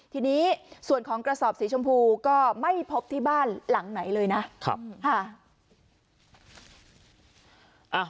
ทีนี้ส่วนของกระสอบสีชมพูก็ไม่พบที่บ้านหลังไหนเลยนะ